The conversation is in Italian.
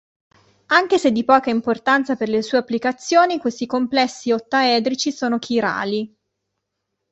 Anche se di poca importanza per le sue applicazioni, questi complessi ottaedrici sono chirali.